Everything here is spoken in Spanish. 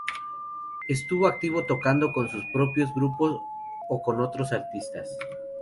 Estuvo activo, tocando con sus propios grupos o con otros artistas.